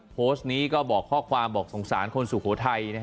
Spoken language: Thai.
โพสต์นี้ก็บอกข้อความบอกสงสารคนสุโขทัย